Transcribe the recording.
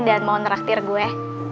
dan mau ngeraktir gue